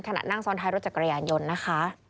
นั่งซ้อนท้ายรถจักรยานยนต์นะคะ